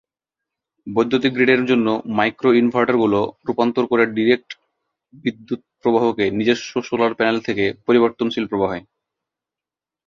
বৈদ্যুতিক গ্রিডের জন্য মাইক্রো-ইনভার্টারগুলো রূপান্তর করে ডাইরেক্ট বিদ্যুৎ প্রবাহকে নিজস্ব সোলার প্যানেল থেকে পরিবর্তনশীল প্রবাহে।